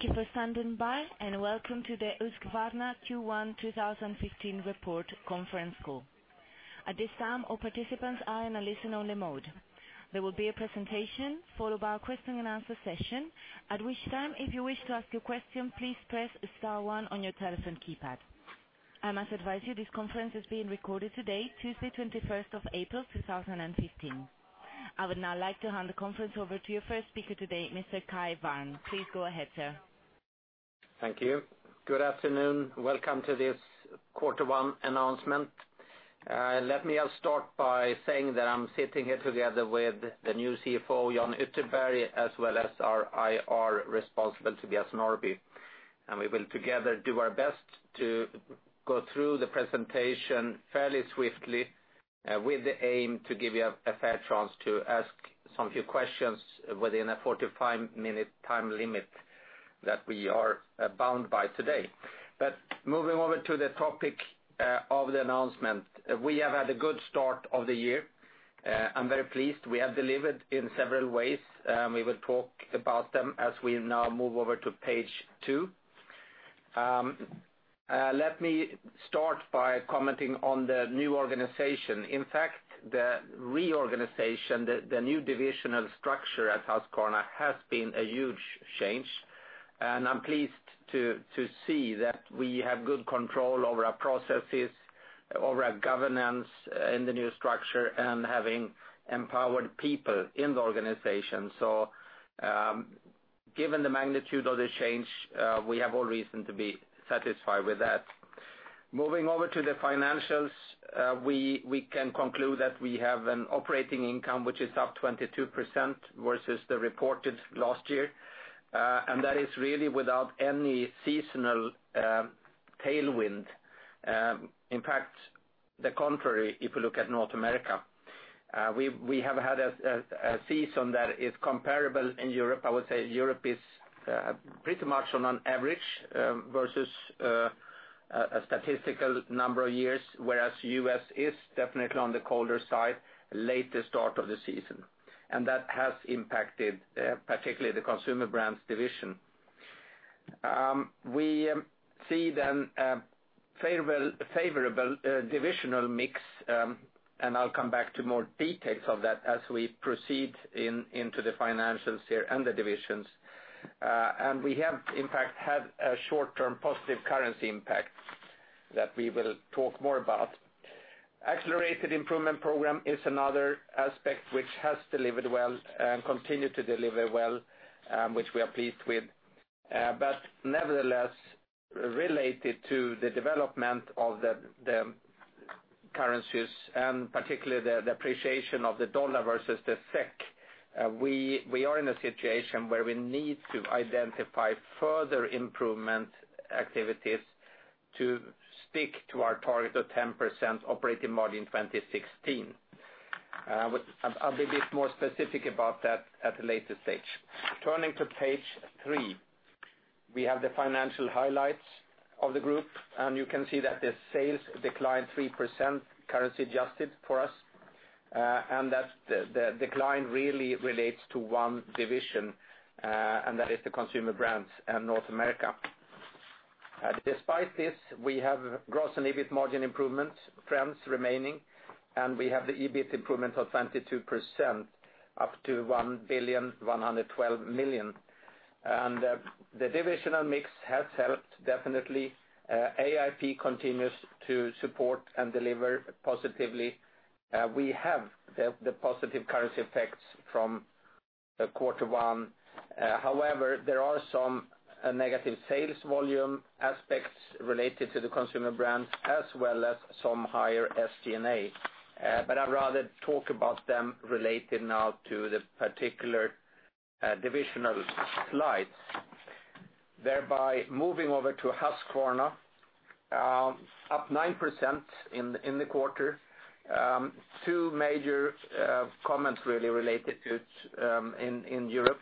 Thank you for standing by, and welcome to the Husqvarna Q1 2015 report conference call. At this time, all participants are in a listen-only mode. There will be a presentation followed by a question-and-answer session. At which time, if you wish to ask your question, please press star one on your telephone keypad. I must advise you this conference is being recorded today, Tuesday, 21st of April, 2015. I would now like to hand the conference over to your first speaker today, Mr. Kai Wärn. Please go ahead, sir. Thank you. Good afternoon. Welcome to this quarter one announcement. Let me just start by saying that I'm sitting here together with the new CFO, Jan Ytterberg, as well as our IR responsibility, Tobias Norrby, and we will together do our best to go through the presentation fairly swiftly, with the aim to give you a fair chance to ask some few questions within a 45-minute time limit that we are bound by today. Moving over to the topic of the announcement. We have had a good start of the year. I'm very pleased we have delivered in several ways. We will talk about them as we now move over to page two. Let me start by commenting on the new organization. In fact, the reorganization, the new divisional structure at Husqvarna has been a huge change, and I'm pleased to see that we have good control over our processes, over our governance in the new structure, and having empowered people in the organization. Given the magnitude of the change, we have all reason to be satisfied with that. Moving over to the financials, we can conclude that we have an operating income, which is up 22% versus the reported last year. That is really without any seasonal tailwind. In fact, the contrary, if you look at North America. We have had a season that is comparable in Europe. I would say Europe is pretty much on an average versus a statistical number of years, whereas U.S. is definitely on the colder side, later start of the season. That has impacted particularly the Consumer Brands division. We see a favorable divisional mix, and I'll come back to more details of that as we proceed into the financials here and the divisions. We have, in fact, had a short-term positive currency impact that we will talk more about. Accelerated Improvement Program is another aspect which has delivered well and continued to deliver well, which we are pleased with. Nevertheless, related to the development of the currencies, and particularly the appreciation of the USD versus the SEK, we are in a situation where we need to identify further improvement activities to stick to our target of 10% operating margin 2016. I'll be a bit more specific about that at a later stage. Turning to page three, we have the financial highlights of the group, and you can see that the sales declined 3%, currency adjusted for us, and that the decline really relates to one division, and that is the Consumer Brands in North America. Despite this, we have gross and EBIT margin improvement trends remaining. We have the EBIT improvement of 22%, up to 1,112 million. The divisional mix has helped definitely. AIP continues to support and deliver positively. We have the positive currency effects from quarter one. However, there are some negative sales volume aspects related to the consumer brand as well as some higher SG&A. I'd rather talk about them related now to the particular divisional slides. Thereby moving over to Husqvarna, up 9% in the quarter. Two major comments really related to in Europe.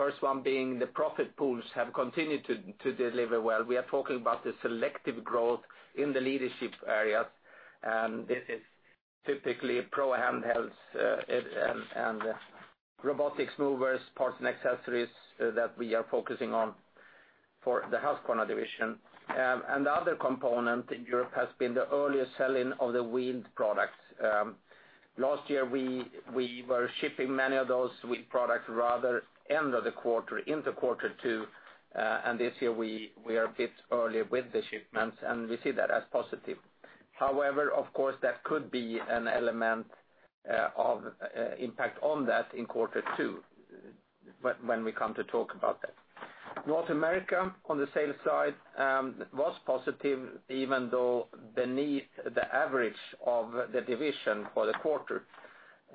First one being the profit pools have continued to deliver well. We are talking about the selective growth in the leadership areas, and this is typically professional handhelds and robotic mowers, parts and accessories that we are focusing on for the Husqvarna division. The other component in Europe has been the earlier selling of the wheeled products. Last year, we were shipping many of those wheeled products rather end of the quarter into quarter two, and this year we are a bit earlier with the shipments, and we see that as positive. However, of course, that could be an element of impact on that in quarter two when we come to talk about that. North America on the sales side was positive, even though beneath the average of the division for the quarter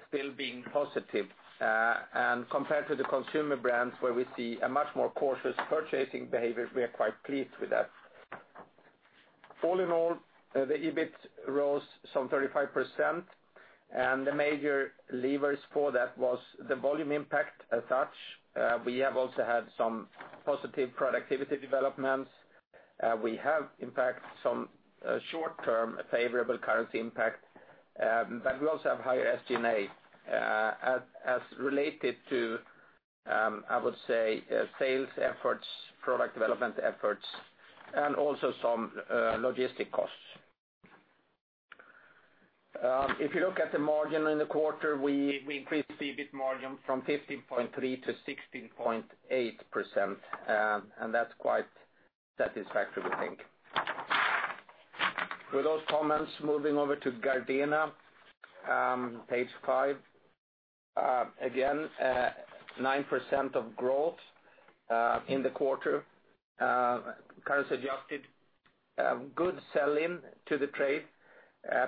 still being positive. Compared to the Consumer Brands where we see a much more cautious purchasing behavior, we are quite pleased with that. All in all, the EBIT rose some 35%. The major levers for that was the volume impact as such. We have also had some positive productivity developments. We have, in fact, some short-term favorable currency impact, but we also have higher SG&A as related to sales efforts, product development efforts, and also some logistic costs. If you look at the margin in the quarter, we increased EBIT margin from 15.3% to 16.8%. That's quite satisfactory we think. With those comments, moving over to Gardena, page five. Again, 9% of growth in the quarter currency adjusted. Good sell-in to the trade,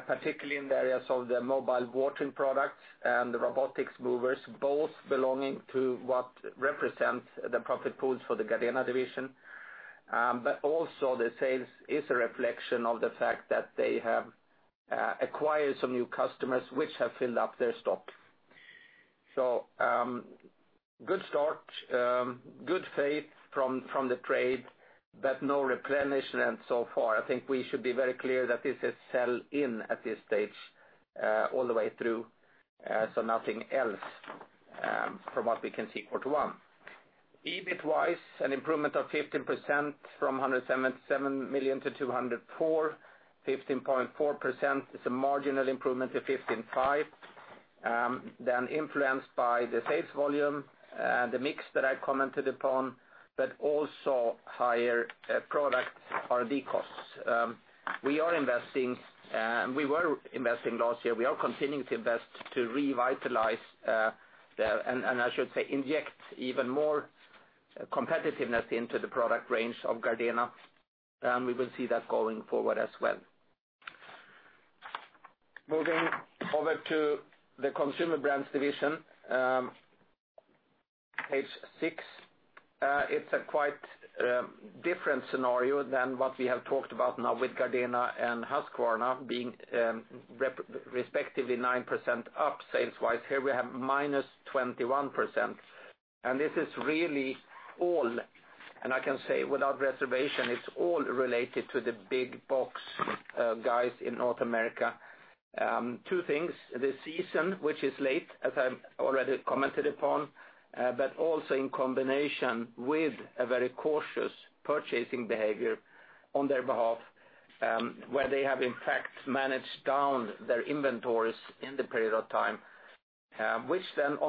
particularly in the areas of the mobile watering products and the robotic mowers, both belonging to what represents the profit pools for the Gardena division. Also the sales is a reflection of the fact that they have acquired some new customers which have filled up their stock. Good start, good faith from the trade, but no replenishment so far. I think we should be very clear that this is sell in at this stage all the way through. Nothing else from what we can see quarter one. EBIT wise, an improvement of 15% from 177 million to 204 million. 15.4% is a marginal improvement to 15.5%. Influenced by the sales volume, the mix that I commented upon, but also higher product R&D costs. We were investing last year. We are continuing to invest to revitalize, and I should say, inject even more competitiveness into the product range of Gardena. We will see that going forward as well. Moving over to the Consumer Brands division, page six. It's a quite different scenario than what we have talked about now with Gardena and Husqvarna being respectively 9% up sales-wise. Here we have -21%. This is really all, and I can say without reservation, it's all related to the big-box guys in North America. Two things, the season, which is late, as I've already commented upon, but also in combination with a very cautious purchasing behavior on their behalf, where they have in fact managed down their inventories in the period of time. On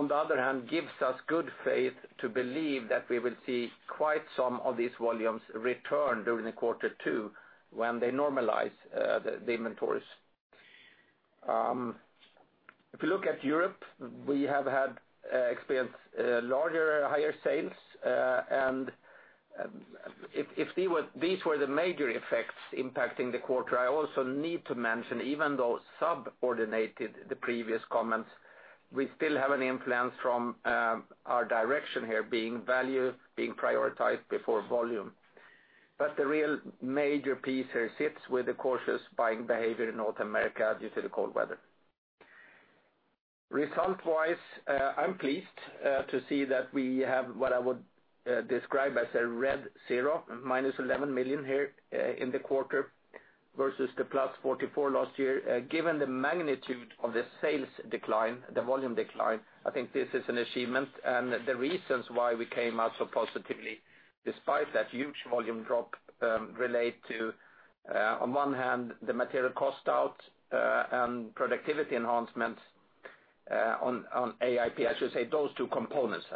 the other hand, gives us good faith to believe that we will see quite some of these volumes return during the quarter two when they normalize the inventories. If you look at Europe, we have experienced larger, higher sales. If these were the major effects impacting the quarter, I also need to mention, even though subordinated the previous comments, we still have an influence from our direction here being value being prioritized before volume. The real major piece here sits with the cautious buying behavior in North America due to the cold weather. Result-wise, I'm pleased to see that we have what I would describe as a red zero, -11 million here in the quarter versus the +44 last year. Given the magnitude of the sales decline, the volume decline, I think this is an achievement. The reasons why we came out so positively despite that huge volume drop relate to, on one hand, the material cost out and productivity enhancements on AIP. I should say those two components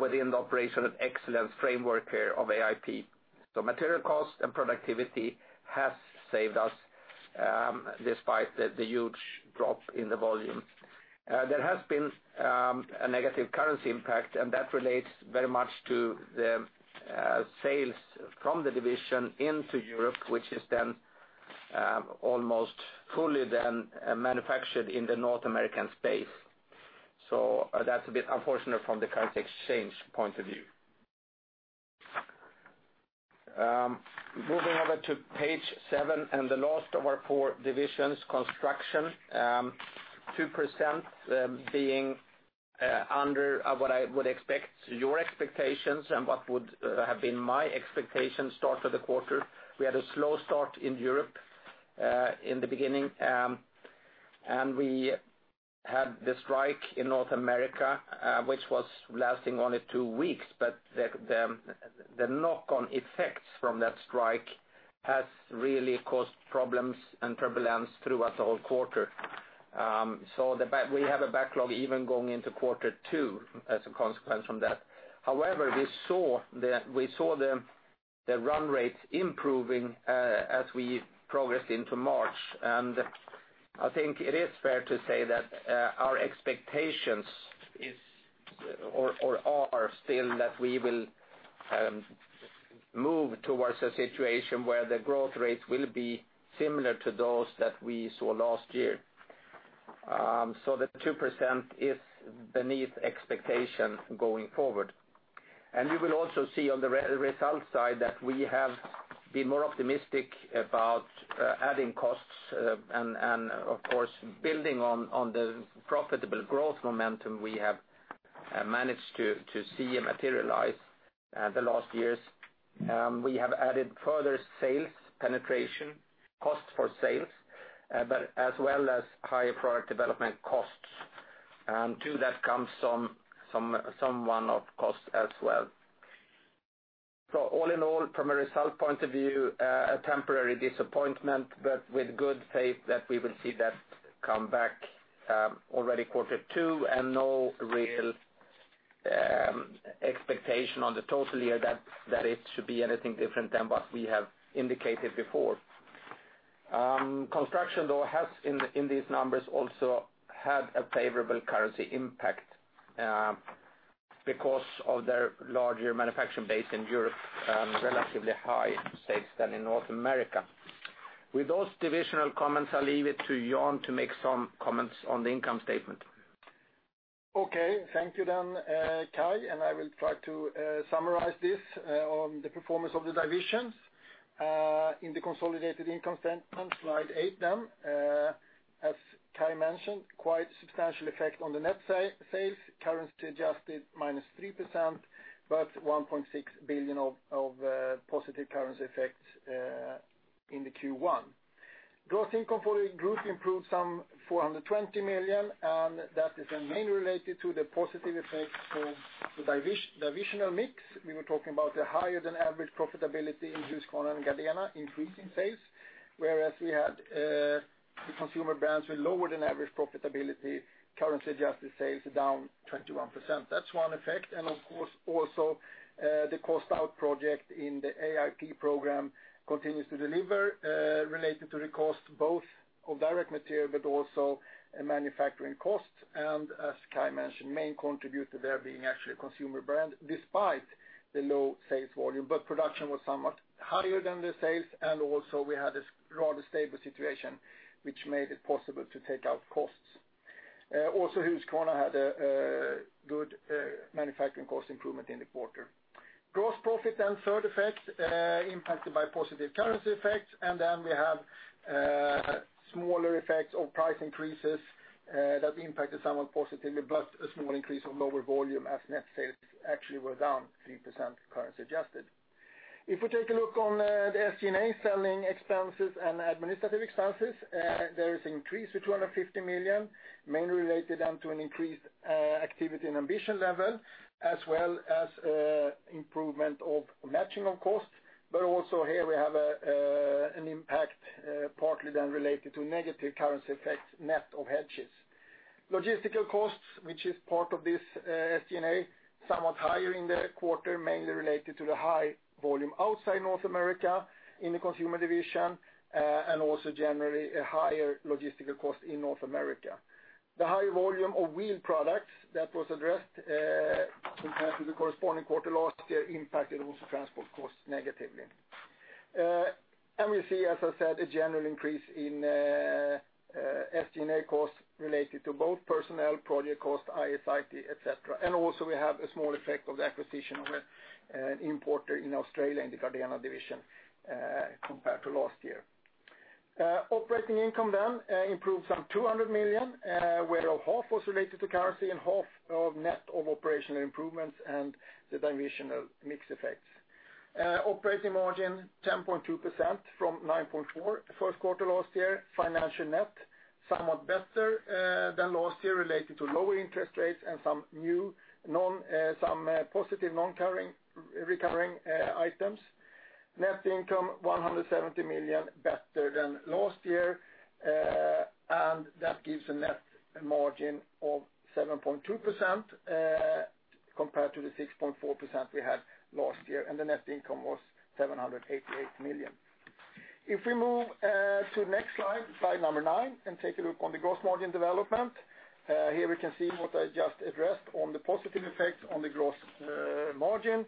within the operational excellence framework here of AIP. Material cost and productivity has saved us despite the huge drop in the volume. There has been a negative currency impact, and that relates very much to the sales from the division into Europe, which is then almost fully then manufactured in the North American space. That's a bit unfortunate from the currency exchange point of view. Moving over to page seven and the last of our four divisions, construction. 2% being under what I would expect your expectations and what would have been my expectation start of the quarter. We had a slow start in Europe in the beginning. We had the strike in North America, which was lasting only two weeks, but the knock-on effects from that strike has really caused problems and turbulence throughout the whole quarter. We have a backlog even going into quarter two as a consequence from that. However, we saw the run rates improving as we progressed into March. I think it is fair to say that our expectations are still that we will move towards a situation where the growth rates will be similar to those that we saw last year. The 2% is beneath expectation going forward. You will also see on the result side that we have been more optimistic about adding costs and of course building on the profitable growth momentum we have managed to see materialize the last years. We have added further sales penetration, cost for sales, but as well as higher product development costs. To that comes some one-off costs as well. All in all, from a result point of view, a temporary disappointment, but with good faith that we will see that come back already quarter two and no real expectation on the total year that it should be anything different than what we have indicated before. Construction, though, has in these numbers also had a favorable currency impact because of their larger manufacturing base in Europe, relatively high stakes than in North America. With those divisional comments, I will leave it to Jan Ytterberg to make some comments on the income statement. Thank you, Kai Wärn. I will try to summarize this on the performance of the divisions. In the consolidated income statement, slide eight. As Kai Wärn mentioned, quite substantial effect on the net sales, currency adjusted -3%, but 1.6 billion of positive currency effects in the Q1. Gross income for the group improved some 420 million, and that is mainly related to the positive effect of the divisional mix. We were talking about the higher than average profitability in Husqvarna and Gardena increase in sales, whereas we had the Consumer Brands with lower than average profitability, currency adjusted sales are down 21%. That is one effect, of course, also the cost out project in the AIP program continues to deliver related to the cost both of direct material but also manufacturing costs, as Kai Wärn mentioned, main contributor there being actually Consumer Brands despite the low sales volume. Production was somewhat higher than the sales, also we had a rather stable situation, which made it possible to take out costs. Husqvarna had a good manufacturing cost improvement in the quarter. Gross profit third effect impacted by positive currency effects, then we have smaller effects of price increases that impacted somewhat positively, but a small increase on lower volume as net sales actually were down 3% currency adjusted. If we take a look on the SG&A selling expenses and administrative expenses, there is increase to 250 million, mainly related to an increased activity and ambition level, as well as improvement of matching of costs. Also here we have an impact partly related to negative currency effects, net of hedges. Logistical costs, which is part of this SG&A, somewhat higher in the quarter, mainly related to the high volume outside North America in the consumer division, also generally a higher logistical cost in North America. The high volume of wheeled products that was addressed compared to the corresponding quarter last year impacted also transport costs negatively. We see, as I said, a general increase in SG&A costs related to both personnel, project costs, IS/IT, et cetera. Also we have a small effect of the acquisition of an importer in Australia in the Gardena division compared to last year. Operating income improved 200 million, where half was related to currency and half of net of operational improvements and the divisional mix effects. Operating margin, 10.2% from 9.4% first quarter last year. Financial net, somewhat better than last year related to lower interest rates and some positive non-recurring items. Net income, 170 million better than last year, That gives a net margin of 7.2% compared to the 6.4% we had last year, and the net income was 788 million. We move to the next slide number nine, take a look on the gross margin development. We can see what I just addressed on the positive effects on the gross margin.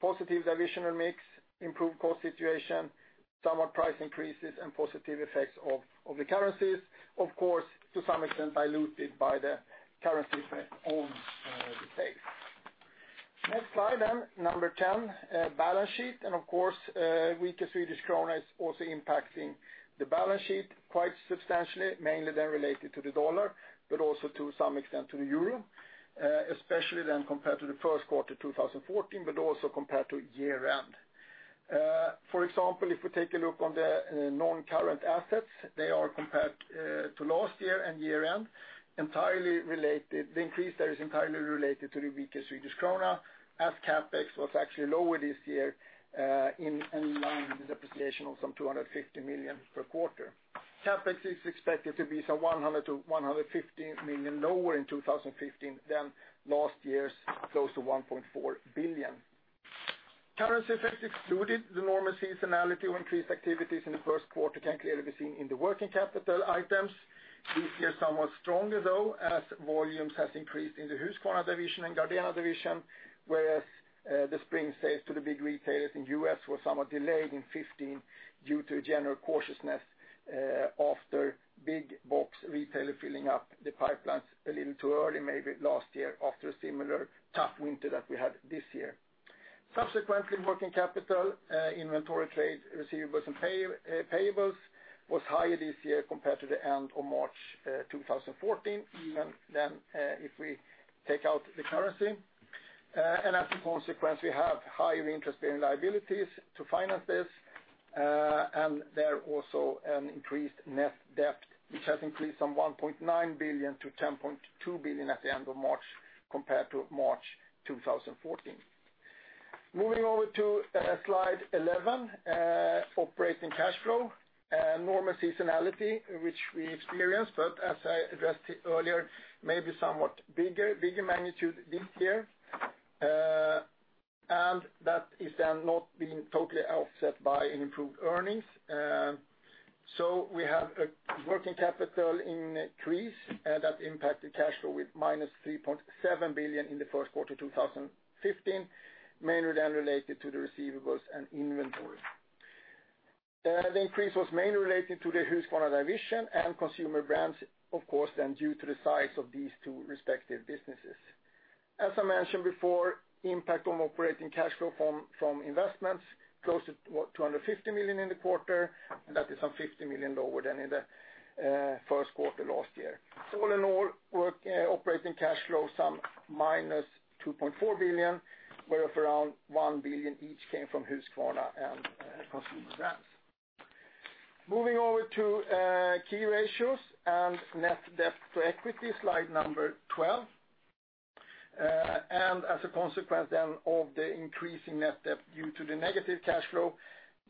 Positive divisional mix, improved cost situation, somewhat price increases, Positive effects of the currencies. Of course, to some extent diluted by the currency effect on the sales. Next slide 10, balance sheet. Of course, weaker Swedish krona is also impacting the balance sheet quite substantially, mainly related to the USD, but also to some extent to the EUR, especially compared to the Q1 2014, but also compared to year-end. For example, we take a look on the non-current assets, they are compared to last year and year-end. The increase there is entirely related to the weaker Swedish krona, as CapEx was actually lower this year in line with the depreciation of 250 million per quarter. CapEx is expected to be 100 million-115 million lower in 2015 than last year's close to 1.4 billion. Currency effects excluded, the normal seasonality of increased activities in the first quarter can clearly be seen in the working capital items. This year, somewhat stronger though, as volumes has increased in the Husqvarna division and Gardena division, whereas the spring sales to the big retailers in the U.S. were somewhat delayed in 2015 due to general cautiousness after big-box retailer filling up the pipelines a little too early maybe last year after a similar tough winter that we had this year. Subsequently, working capital, inventory trade, receivables, and payables was higher this year compared to the end of March 2014, even then if we take out the currency. As a consequence, we have higher interest-bearing liabilities to finance this, and there also an increased net debt, which has increased from 1.9 billion to 10.2 billion at the end of March compared to March 2014. Moving over to slide 11, operating cash flow. Enormous seasonality, which we experienced, but as I addressed earlier, maybe somewhat bigger magnitude this year. That is then not being totally offset by improved earnings. We have a working capital increase that impacted cash flow with minus 3.7 billion in the Q1 2015, mainly then related to the receivables and inventory. The increase was mainly related to the Husqvarna division and Consumer Brands, of course, then due to the size of these two respective businesses. As I mentioned before, impact on operating cash flow from investments close to 250 million in the quarter, That is some 50 million lower than in the first quarter last year. All in all, operating cash flow some minus 2.4 billion, where of around 1 billion each came from Husqvarna and Consumer Brands. Moving over to key ratios and net debt to equity, slide number 12. As a consequence then of the increase in net debt due to the negative cash flow,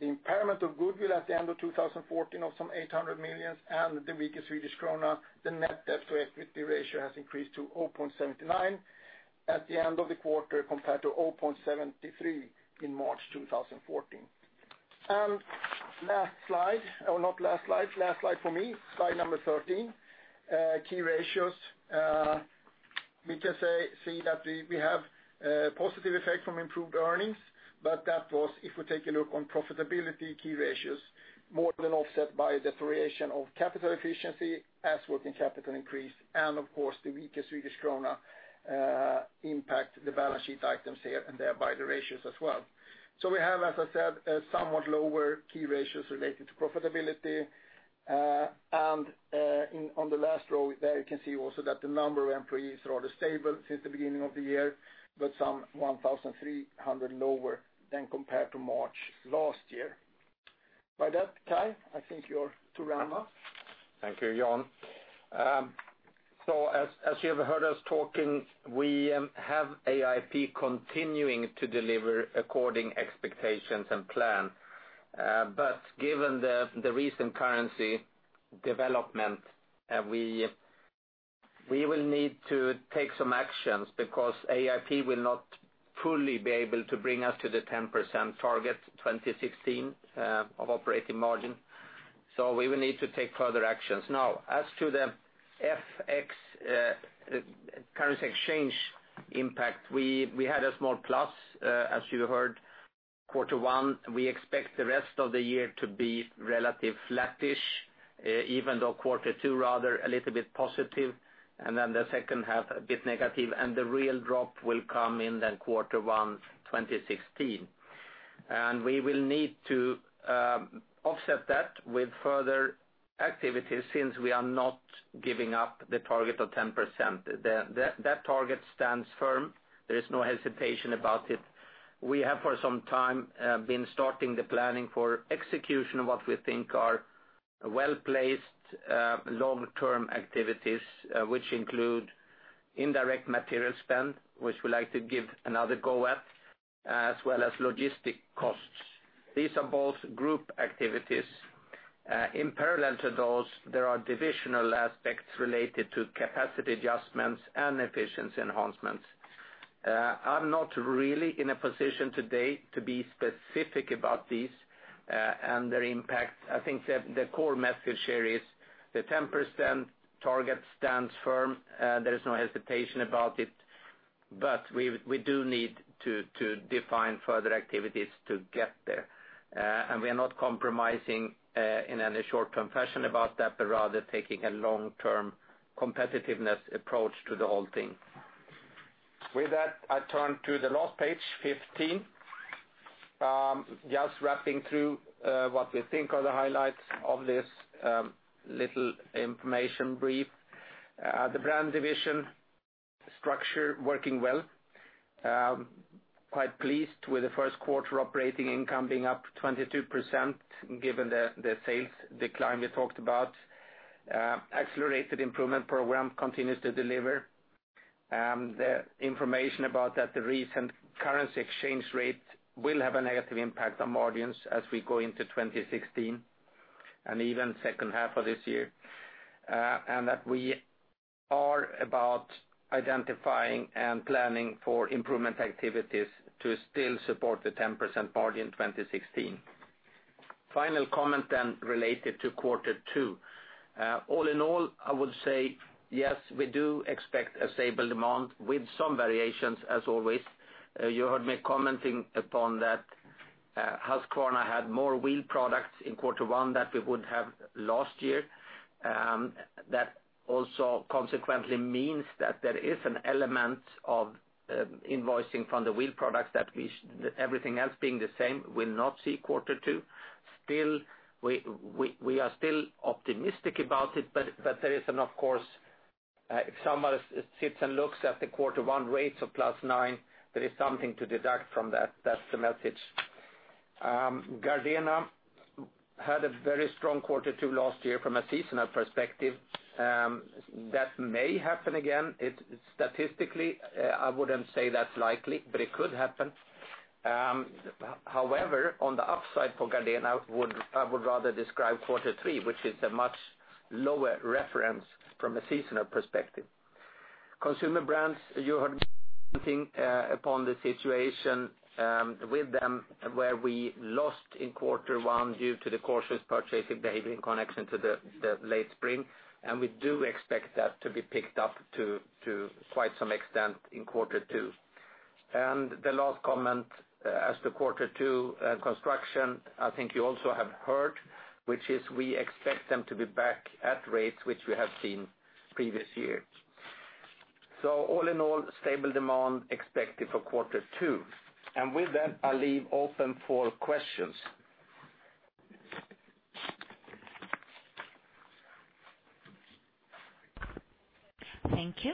the impairment of goodwill at the end of 2014 of some 800 million and the weakest Swedish krona, the net debt to equity ratio has increased to 0.79 at the end of the quarter compared to 0.73 in March 2014. Last slide, or not last slide, last slide for me, slide number 13, key ratios. We can see that we have a positive effect from improved earnings, but that was, if we take a look on profitability key ratios, more than offset by deterioration of capital efficiency as working capital increased, and of course, the weakest Swedish krona impact the balance sheet items here, and thereby the ratios as well. We have, as I said, somewhat lower key ratios related to profitability. On the last row there, you can see also that the number of employees are rather stable since the beginning of the year, but some 1,300 lower than compared to March last year. By that, Kai, I think you're to round off. Thank you, Jan. As you have heard us talking, we have AIP continuing to deliver according expectations and plan. Given the recent currency development, we will need to take some actions because AIP will not fully be able to bring us to the 10% target 2016 of operating margin. We will need to take further actions. Now, as to the FX currency exchange impact, we had a small plus, as you heard, quarter one. We expect the rest of the year to be relative flattish, even though quarter two rather a little bit positive, then the second half a bit negative, and the real drop will come in then quarter one 2016. We will need to offset that with further activities since we are not giving up the target of 10%. That target stands firm. There is no hesitation about it. We have for some time been starting the planning for execution of what we think are well-placed long-term activities, which include indirect material spend, which we'd like to give another go at, as well as logistic costs. These are both group activities. In parallel to those, there are divisional aspects related to capacity adjustments and efficiency enhancements. I'm not really in a position today to be specific about these and their impact. I think the core message here is the 10% target stands firm. There is no hesitation about it, but we do need to define further activities to get there. We are not compromising in any short-term fashion about that, rather taking a long-term competitiveness approach to the whole thing. With that, I turn to the last page, 15. Just wrapping through what we think are the highlights of this little information brief. The brand division structure working well. Quite pleased with the Q1 operating income being up 22% given the sales decline we talked about. Accelerated Improvement Program continues to deliver. The information about that the recent currency exchange rate will have a negative impact on margins as we go into 2016, and even second half of this year. That we are about identifying and planning for improvement activities to still support the 10% margin 2016. Final comment related to Q2. All in all, I would say, yes, we do expect a stable demand with some variations as always. You heard me commenting upon that Husqvarna had more wheeled products in Q1 than we would have last year. That also consequently means that there is an element of invoicing from the wheeled products that, everything else being the same, we'll not see Q2. We are still optimistic about it, but if someone sits and looks at the Q1 rates of +9, there is something to deduct from that. That's the message. Gardena had a very strong Q2 last year from a seasonal perspective. That may happen again. Statistically, I wouldn't say that's likely, but it could happen. However, on the upside for Gardena, I would rather describe Q3, which is a much lower reference from a seasonal perspective. Consumer Brands, you heard me commenting upon the situation with them, where we lost in Q1 due to the cautious purchasing behavior in connection to the late spring, and we do expect that to be picked up to quite some extent in Q2. The last comment as to Q2, Construction, I think you also have heard, which is we expect them to be back at rates which we have seen previous years. All in all, stable demand expected for Q2. With that, I leave open for questions. Thank you.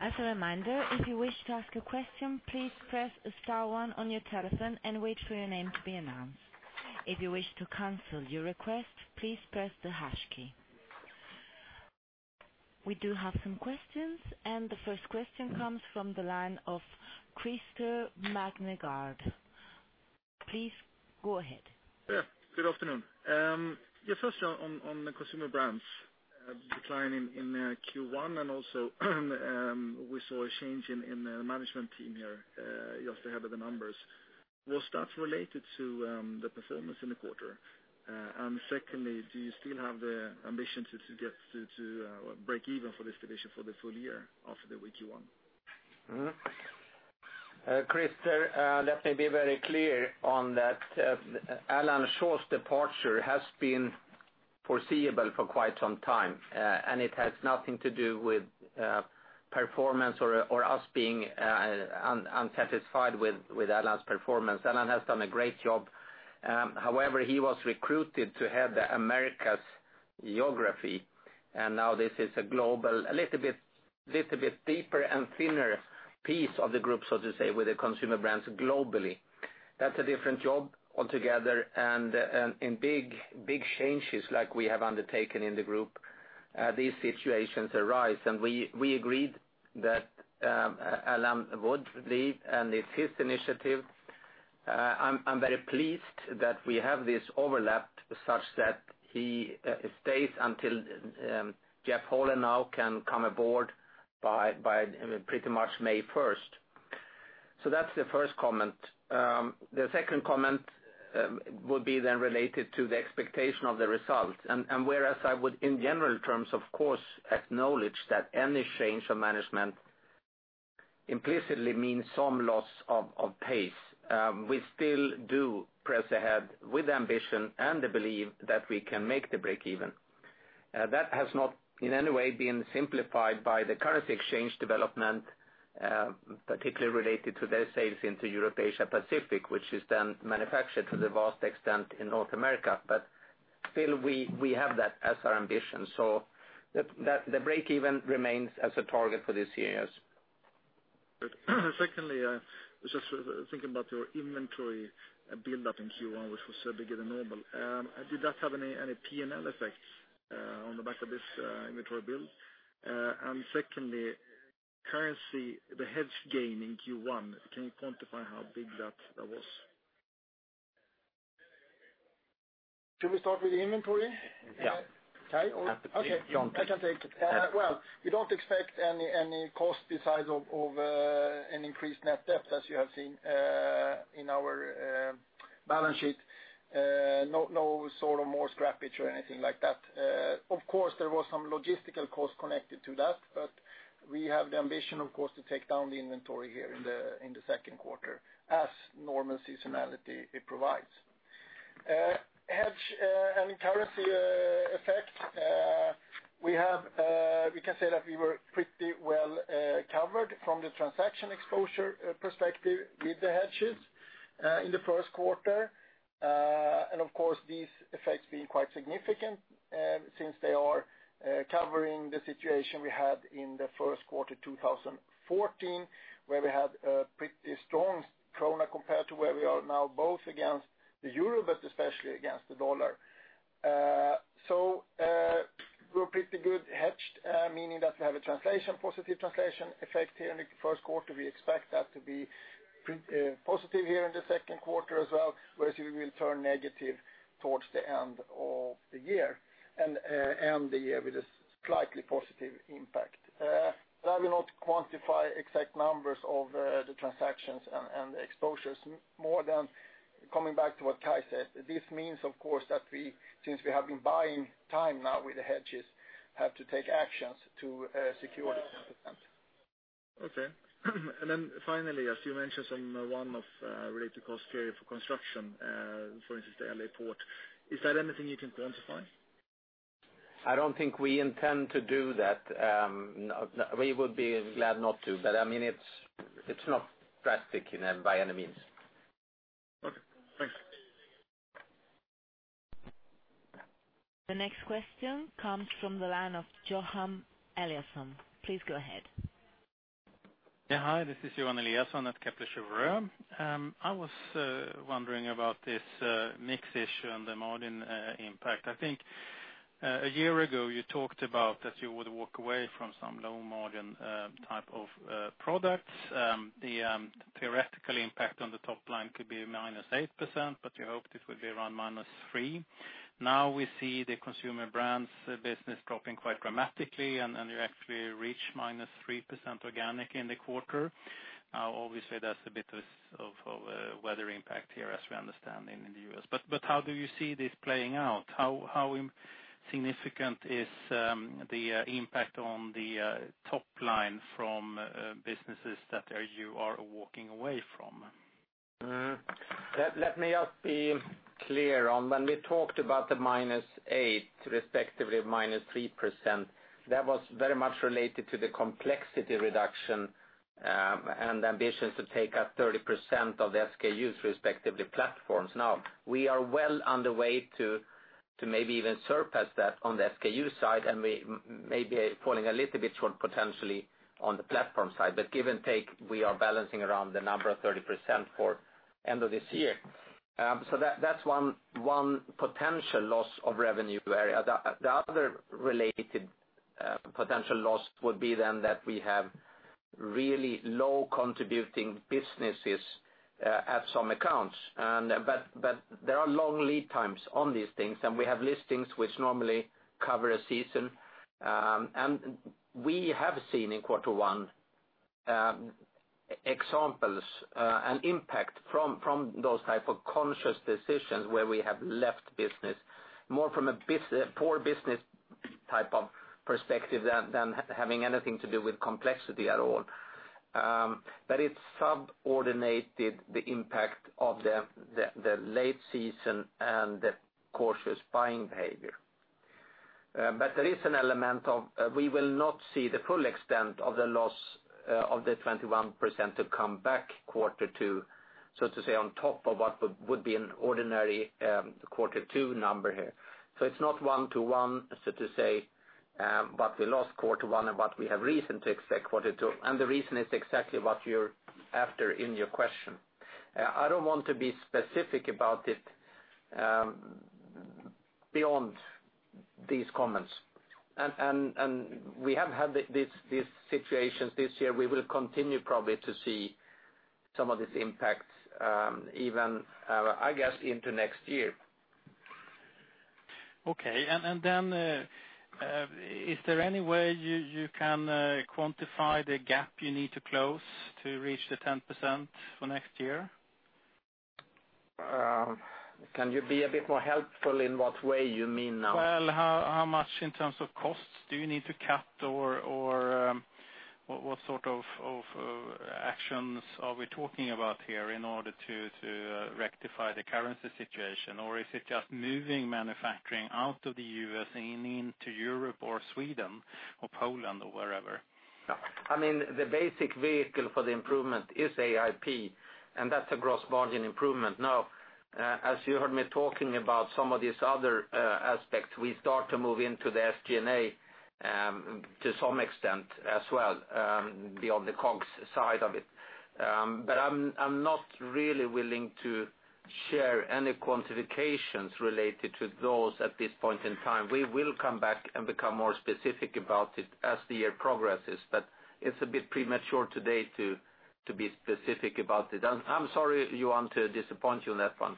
As a reminder, if you wish to ask a question, please press star one on your telephone and wait for your name to be announced. If you wish to cancel your request, please press the hash key. We do have some questions, and the first question comes from the line of Christer Magnergård. Please go ahead. Good afternoon. First, on the Consumer Brands decline in Q1. Also, we saw a change in the management team here just ahead of the numbers. Was that related to the performance in the quarter? Secondly, do you still have the ambition to break even for this division for the full year after the weak Q1? Christer, let me be very clear on that. Alan Shaw's departure has been foreseeable for quite some time. It has nothing to do with performance or us being unsatisfied with Alan's performance. Alan has done a great job. However, he was recruited to head the Americas geography. Now this is a global, a little bit deeper and thinner piece of the group, so to say, with the Consumer Brands globally. That's a different job altogether. In big changes like we have undertaken in the group, these situations arise. We agreed that Alan would leave. It's his initiative. I'm very pleased that we have this overlap such that he stays until Jeff Hohlen now can come aboard by pretty much May 1st. That's the first comment. The second comment would be then related to the expectation of the results. Whereas I would, in general terms, of course, acknowledge that any change of management implicitly means some loss of pace. We still do press ahead with ambition and the belief that we can make the break even. That has not in any way been simplified by the currency exchange development, particularly related to their sales into Europe, Asia, Pacific, which is then manufactured to the vast extent in North America. Still, we have that as our ambition, so the break even remains as a target for this year, yes. Secondly, I was just thinking about your inventory build up in Q1, which was bigger than normal. Did that have any P&L effects on the back of this inventory build? Secondly, currency, the hedge gain in Q1, can you quantify how big that was? Should we start with the inventory? Yeah. Kai. Happy to. Jan, please. Okay, I can take it. Well, we don't expect any cost besides of an increased net debt such as you have seen in our balance sheet. No more scrappage or anything like that. Of course, there was some logistical cost connected to that, but we have the ambition, of course, to take down the inventory here in the second quarter as normal seasonality it provides. Hedge and currency effect, we can say that we were pretty well covered from the transaction exposure perspective with the hedges in the first quarter. Of course, these effects being quite significant since they are covering the situation we had in the first quarter 2014, where we had a pretty strong krona compared to where we are now, both against the euro, but especially against the dollar. We are pretty good hedged, meaning that we have a positive translation effect here in the first quarter. We expect that to be positive here in the second quarter as well, whereas we will turn negative towards the end of the year and end the year with a slightly positive impact. I will not quantify exact numbers of the transactions and the exposures more than coming back to what Kai Wärn said. This means, of course, that since we have been buying time now with the hedges, have to take actions to secure this implement. Okay. Then finally, as you mentioned, some one-off related cost period for construction, for instance, the L.A. Port. Is that anything you can quantify? I don't think we intend to do that. We would be glad not to, but it's not drastic by any means. Okay. Thanks. The next question comes from the line of Johan Eliason. Please go ahead. Yeah. Hi. This is Johan Eliason at Kepler Cheuvreux. I was wondering about this mix issue and the margin impact. I think a year ago you talked about that you would walk away from some low-margin type of products. The theoretical impact on the top line could be -8%, but you hoped it would be around -3%. Now we see the Consumer Brands business dropping quite dramatically, and you actually reach -3% organic in the quarter. Obviously, that's a bit of a weather impact here, as we understand in the U.S. How do you see this playing out? How significant is the impact on the top line from businesses that you are walking away from? Let me just be clear on when we talked about the -8%, respectively, -3%, that was very much related to the complexity reduction, and the ambition to take up 30% of the SKUs, respectively, platforms. We are well on the way to maybe even surpass that on the SKU side, and we may be falling a little bit short potentially on the platform side. Give and take, we are balancing around the number of 30% for end of this year. That's one potential loss of revenue area. The other related potential loss would be then that we have really low contributing businesses at some accounts. There are long lead times on these things, and we have listings which normally cover a season. We have seen in quarter one, examples, and impact from those type of conscious decisions where we have left business more from a poor business type of perspective than having anything to do with complexity at all. It subordinated the impact of the late season and the cautious buying behavior. There is an element of, we will not see the full extent of the loss of the 21% to come back quarter two, so to say, on top of what would be an ordinary quarter two number here. It's not one-to-one, so to say, but we lost quarter one and what we have reason to expect quarter two, and the reason is exactly what you're after in your question. I don't want to be specific about it beyond these comments. We have had these situations this year. We will continue probably to see some of these impacts, even, I guess, into next year. Is there any way you can quantify the gap you need to close to reach the 10% for next year? Can you be a bit more helpful in what way you mean now? How much in terms of costs do you need to cut? What sort of actions are we talking about here in order to rectify the currency situation? Is it just moving manufacturing out of the U.S. and into Europe or Sweden or Poland or wherever? No. The basic vehicle for the improvement is AIP, and that's a gross margin improvement. Now, as you heard me talking about some of these other aspects, we start to move into the SG&A, to some extent as well, beyond the COGS side of it. I'm not really willing to share any quantifications related to those at this point in time. We will come back and become more specific about it as the year progresses, but it's a bit premature today to be specific about it. I'm sorry, Johan, to disappoint you on that one.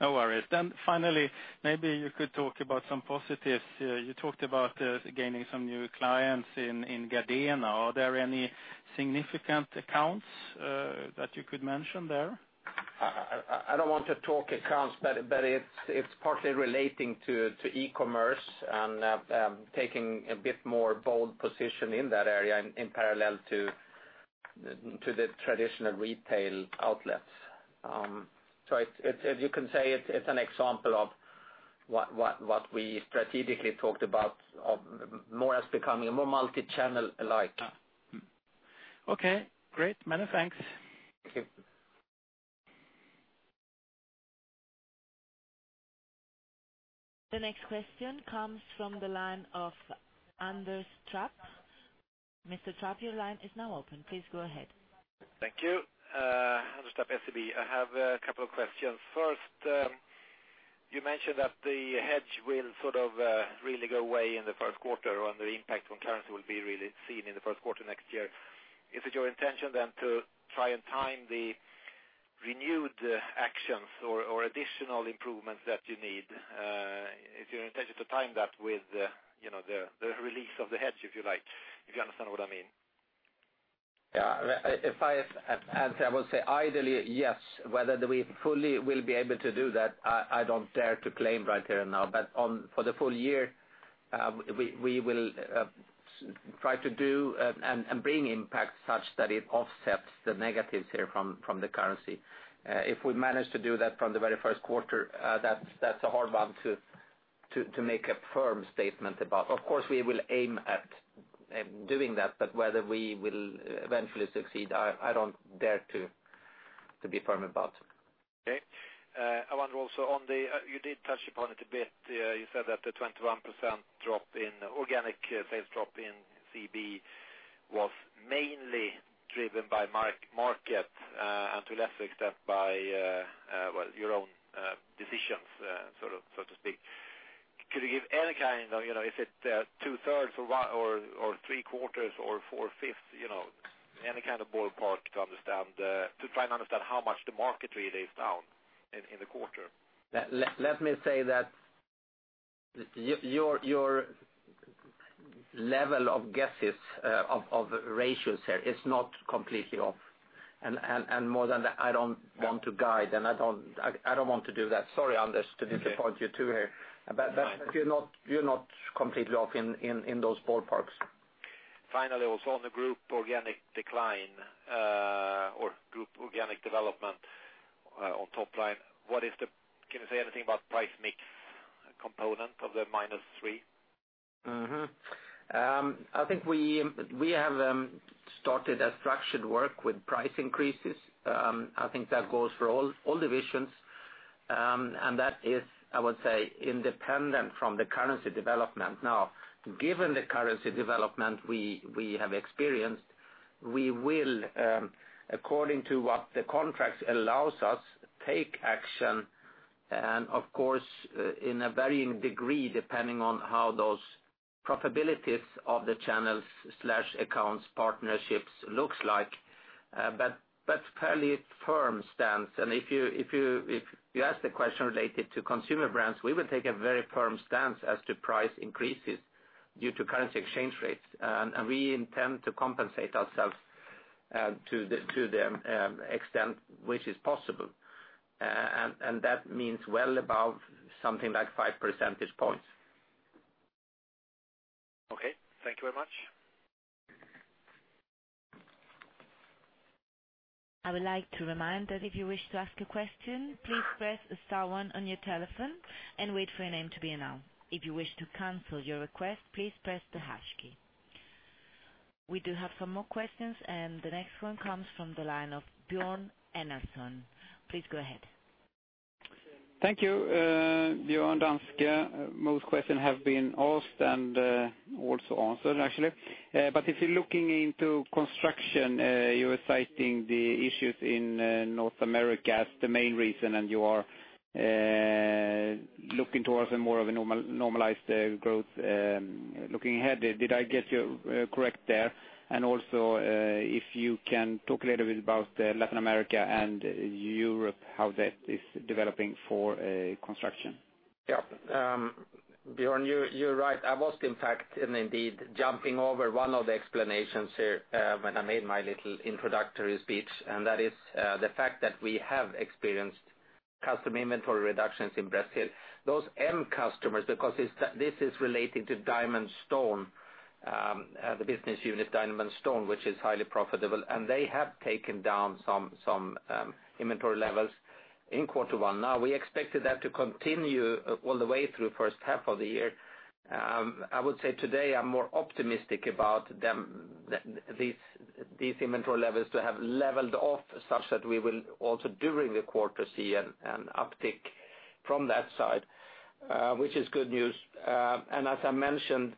No worries. Finally, maybe you could talk about some positives. You talked about gaining some new clients in Gardena. Are there any significant accounts that you could mention there? I don't want to talk accounts, it's partly relating to e-commerce and taking a bit more bold position in that area in parallel to the traditional retail outlets. You can say it's an example of what we strategically talked about of more as becoming a more multi-channel alike. Okay, great. Many thanks. Thank you. The next question comes from the line of Anders Trapp. Mr. Trapp, your line is now open. Please go ahead. Thank you. Anders Trapp, SEB. I have a couple of questions. First, you mentioned that the hedge will sort of really go away in the first quarter, and the impact on currency will be really seen in the first quarter next year. Is it your intention then to try and time the renewed actions or additional improvements that you need? Is your intention to time that with the release of the hedge, if you like, if you understand what I mean? Yeah. If I answer, I will say ideally, yes. Whether we fully will be able to do that, I don't dare to claim right here and now. For the full year, we will try to do and bring impact such that it offsets the negatives here from the currency. If we manage to do that from the very first quarter, that's a hard one to make a firm statement about. Of course, we will aim at doing that, whether we will eventually succeed, I don't dare to be firm about. Okay. I wonder also, you did touch upon it a bit. You said that the 21% organic sales drop in CB was mainly driven by market, to a lesser extent by your own decisions, so to speak. Could you give any kind, is it two-thirds or three-quarters or four-fifths, any kind of ballpark to try and understand how much the market really is down in the quarter? Let me say that your level of guesses of ratios here is not completely off. More than that, I don't want to guide, and I don't want to do that. Sorry, Anders, to disappoint you too here. Okay. No. You're not completely off in those ballparks. Finally, also on the group organic decline, or group organic development on top line, can you say anything about price mix component of the -3%? I think we have started a structured work with price increases. I think that goes for all divisions. That is, I would say, independent from the currency development. Now, given the currency development we have experienced, we will, according to what the contracts allows us, take action, and of course, in a varying degree, depending on how those probabilities of the channels/accounts, partnerships looks like. But fairly firm stance. If you ask the question related to Consumer Brands, we will take a very firm stance as to price increases due to currency exchange rates, and we intend to compensate ourselves to the extent which is possible. That means well above something like five percentage points. Okay. Thank you very much. I would like to remind that if you wish to ask a question, please press star one on your telephone and wait for your name to be announced. If you wish to cancel your request, please press the hash key. We do have some more questions, the next one comes from the line of Björn Enarson. Please go ahead. Thank you. Björn, Danske Bank. If you're looking into construction, you were citing the issues in North America as the main reason, and you are looking towards a more of a normalized growth looking ahead. Did I get you correct there? Also, if you can talk a little bit about Latin America and Europe, how that is developing for construction. Yeah. Björn, you're right. I was in fact, indeed, jumping over one of the explanations here when I made my little introductory speech, and that is the fact that we have experienced customer inventory reductions in Brazil. Those end customers, because this is related to Diamant Boart, the business unit, Diamant Boart, which is highly profitable, and they have taken down some inventory levels in quarter one. Now, we expected that to continue all the way through first half of the year. I would say today, I'm more optimistic about these inventory levels to have leveled off such that we will also during the quarter see an uptick from that side, which is good news. As I mentioned,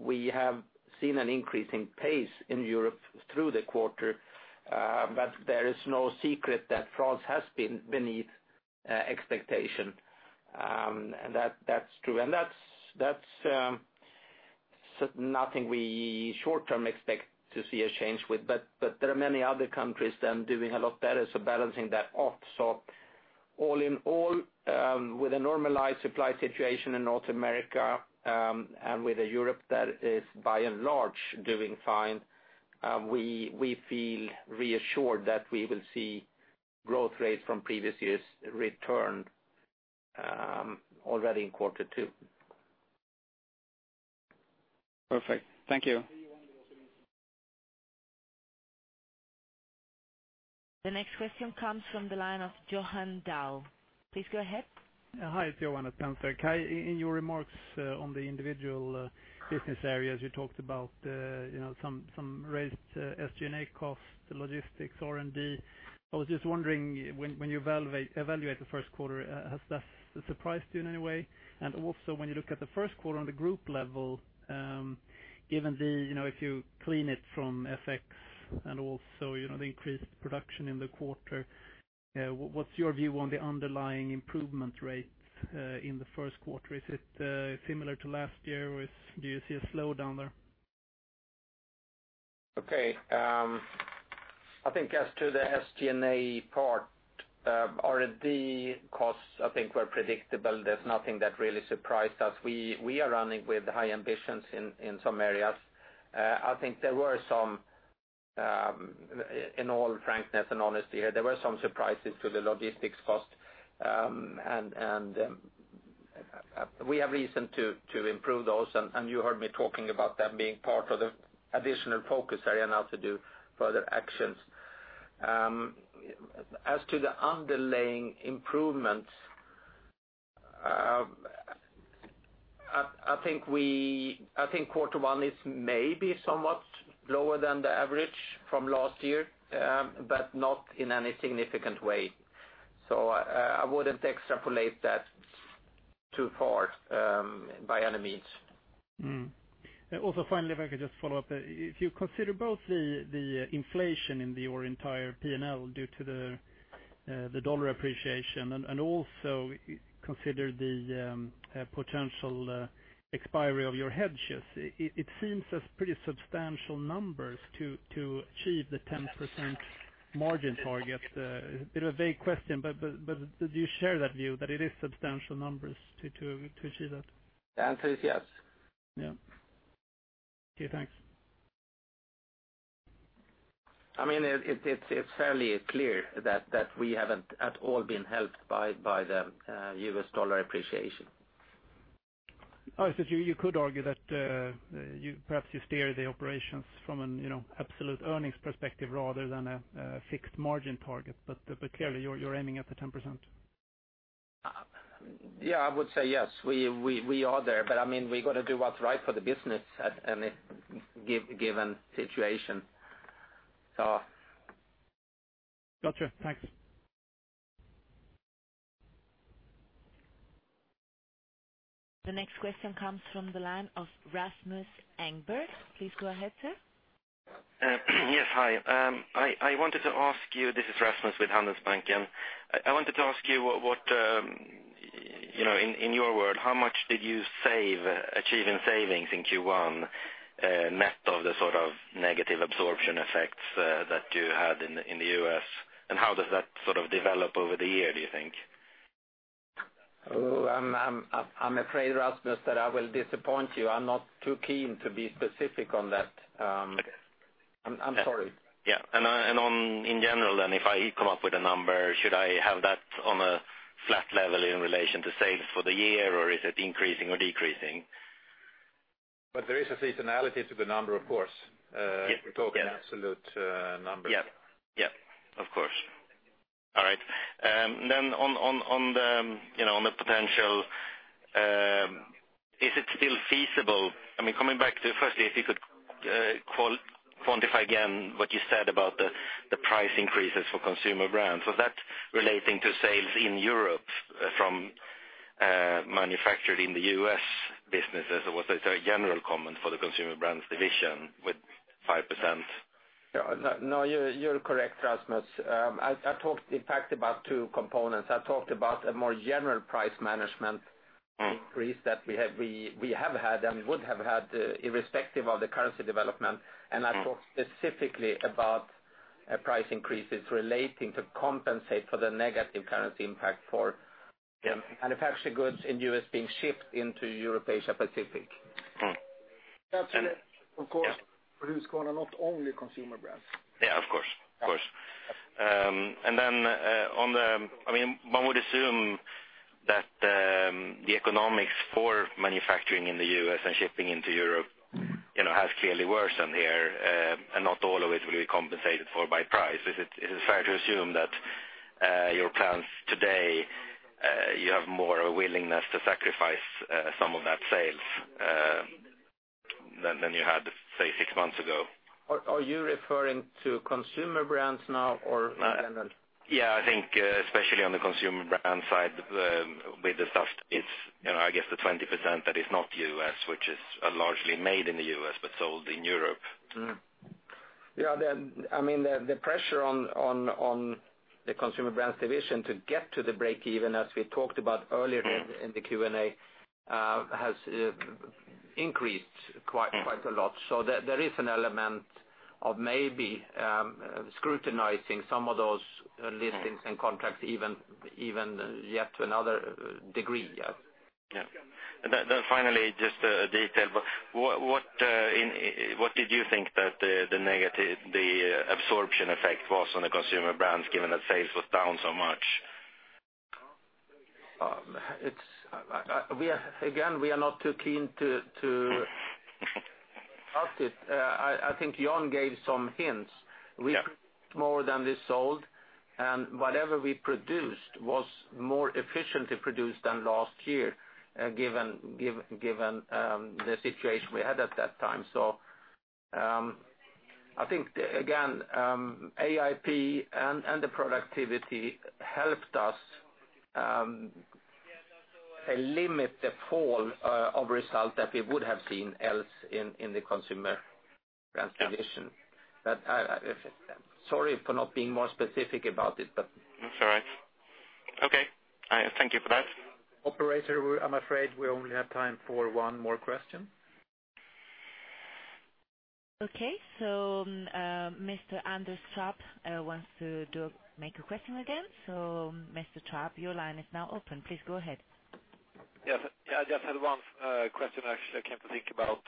we have seen an increase in pace in Europe through the quarter. There is no secret that France has been beneath expectation. That's true. That's nothing we short term expect to see a change with, but there are many other countries then doing a lot better, so balancing that off. All in all, with a normalized supply situation in North America, and with a Europe that is by and large doing fine, we feel reassured that we will see growth rates from previous years return already in quarter two. Perfect. Thank you. The next question comes from the line of Johan Dahl. Please go ahead. Hi, it's Johan of Danske. Kai, in your remarks on the individual business areas, you talked about some raised SG&A costs, the logistics, R&D. I was just wondering, when you evaluate the first quarter, has that surprised you in any way? Also, when you look at the first quarter on the group level, if you clean it from FX and also the increased production in the quarter, what's your view on the underlying improvement rates in the first quarter? Is it similar to last year or do you see a slowdown there? Okay. I think as to the SG&A part, R&D costs, I think were predictable. There's nothing that really surprised us. We are running with high ambitions in some areas. I think there were some, in all frankness and honesty here, there were some surprises to the logistics cost, and we have reason to improve those, and you heard me talking about that being part of the additional focus area now to do further actions. As to the underlying improvements, I think quarter one is maybe somewhat lower than the average from last year, but not in any significant way. I wouldn't extrapolate that too far by any means. Finally, if I could just follow up. If you consider both the inflation in your entire P&L due to the dollar appreciation, also consider the potential expiry of your hedges, it seems as pretty substantial numbers to achieve the 10% margin target. A bit of a vague question, but do you share that view, that it is substantial numbers to achieve that? The answer is yes. Yeah. Okay, thanks. It's fairly clear that we haven't at all been helped by the U.S. dollar appreciation. I see. You could argue that perhaps you steer the operations from an absolute earnings perspective rather than a fixed margin target, but clearly you're aiming at the 10%. Yeah, I would say yes, we are there, but we've got to do what's right for the business at any given situation. Got you. Thanks. The next question comes from the line of Rasmus Engberg. Please go ahead, sir. Yes, hi. This is Rasmus with Handelsbanken. I wanted to ask you in your world, how much did you achieve in savings in Q1 net of the sort of negative absorption effects that you had in the U.S., and how does that sort of develop over the year, do you think? Oh, I'm afraid, Rasmus, that I will disappoint you. I'm not too keen to be specific on that. I'm sorry. Yeah. In general, and if I come up with a number, should I have that on a flat level in relation to sales for the year, or is it increasing or decreasing? There is a seasonality to the number, of course. Yeah. If we talk in absolute numbers. On the potential, is it still feasible? Coming back to firstly, if you could quantify again what you said about the price increases for Consumer Brands. Was that relating to sales in Europe from manufactured in the U.S. businesses, or was it a general comment for the Consumer Brands Division with 5%? No, you're correct, Rasmus. I talked in fact about two components. I talked about a more general price management increase that we have had and would have had irrespective of the currency development, and I talked specifically about price increases relating to compensate for the negative currency impact for- Yeah manufactured goods in U.S. being shipped into Europe, Asia, Pacific. That's, of course, for Husqvarna, not only Consumer Brands. Yeah, of course. One would assume that the economics for manufacturing in the U.S. and shipping into Europe has clearly worsened here, and not all of it will be compensated for by price. Is it fair to assume that your plans today, you have more willingness to sacrifice some of that sales than you had, say, six months ago? Are you referring to Consumer Brands now or in general? Yeah, I think especially on the Consumer Brands side with the soft, it is I guess the 20% that is not U.S., which is largely made in the U.S. but sold in Europe. Yeah. The pressure on the Consumer Brands division to get to the break-even, as we talked about earlier in the Q&A, has increased quite a lot. There is an element of maybe scrutinizing some of those listings and contracts even yet to another degree. Yeah. Finally, just a detail, but what did you think that the absorption effect was on the Consumer Brands given that sales was down so much? Again, we are not too keen to talk it. I think Jan gave some hints. Yeah. We produced more than we sold, and whatever we produced was more efficiently produced than last year, given the situation we had at that time. I think, again, AIP and the productivity helped us limit the fall of result that we would have seen else in the Consumer Brands division. Sorry for not being more specific about it. Okay. Thank you for that. Operator, I'm afraid we only have time for one more question. Okay. Mr. Anders Trapp wants to make a question again. Mr. Trapp, your line is now open. Please go ahead. Yes. I just had one question actually I came to think about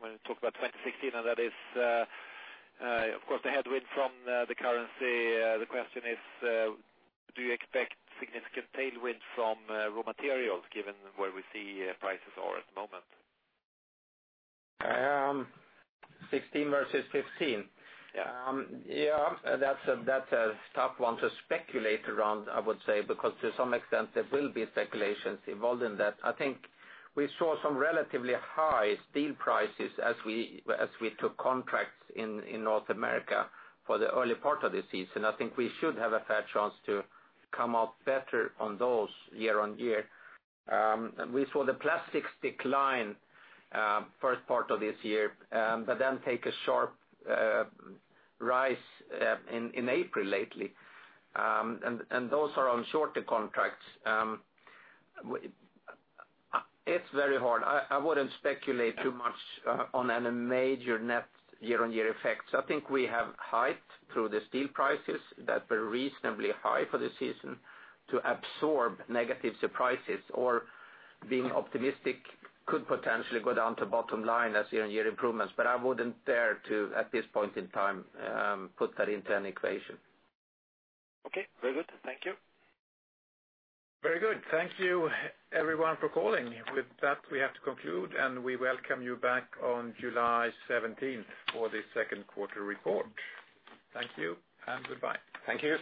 when you talked about 2016, that is, of course, the headwind from the currency. The question is, do you expect significant tailwind from raw materials given where we see prices are at the moment? 2016 versus 2015. Yeah. That is a tough one to speculate around, I would say, because to some extent there will be speculations involved in that. I think we saw some relatively high steel prices as we took contracts in North America for the early part of the season. I think we should have a fair chance to come out better on those year-on-year. We saw the plastics decline first part of this year, then take a sharp rise in April lately. Those are on shorter contracts. It is very hard. I wouldn't speculate too much on any major net year-on-year effects. I think we have headroom through the steel prices that were reasonably high for the season to absorb negative surprises or being optimistic could potentially go down to bottom line as year-on-year improvements. I wouldn't dare to, at this point in time, put that into an equation. Okay. Very good. Thank you. Very good. Thank you everyone for calling. With that, we have to conclude, and we welcome you back on July 17th for the second quarter report. Thank you and goodbye. Thank you.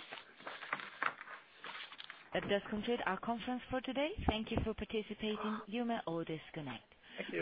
That does conclude our conference for today. Thank you for participating. You may all disconnect. Thank you